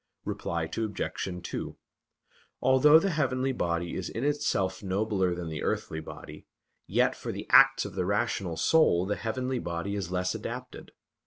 Reply Obj. 2: Although the heavenly body is in itself nobler than the earthly body, yet for the acts of the rational soul the heavenly body is less adapted.